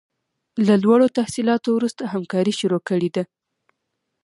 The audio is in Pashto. له لوړو تحصیلاتو وروسته همکاري شروع کړې ده.